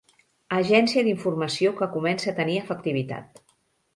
Agència d'informació que comença a tenir efectivitat.